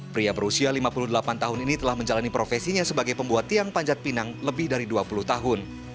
pria berusia lima puluh delapan tahun ini telah menjalani profesinya sebagai pembuat tiang panjat pinang lebih dari dua puluh tahun